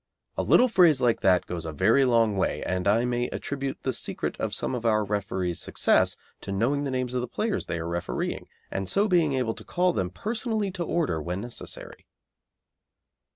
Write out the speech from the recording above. A little phrase like that goes a very long way, and I may attribute the secret of some of our referees' success to knowing the names of the players they are refereeing, and so being able to call them personally to order when necessary.